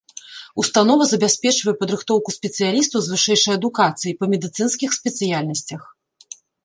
Установа забяспечвае падрыхтоўку спецыялістаў з вышэйшай адукацыяй па медыцынскіх спецыяльнасцях.